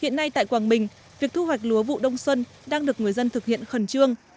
hiện nay tại quảng bình việc thu hoạch lúa vụ đông xuân đang được người dân thực hiện khẩn trương